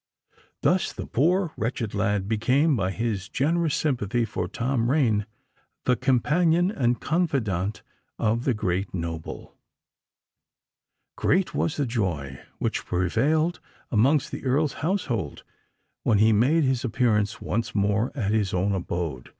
Thus the poor, wretched lad became, by his generous sympathy for Tom Rain, the companion and confidant of the great noble! Great was the joy which prevailed amongst the Earl's household, when he made his appearance once more at his own abode.